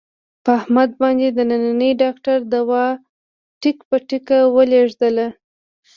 په احمد باندې د ننني ډاکټر دوا ټیک په ټیک ولږېدله.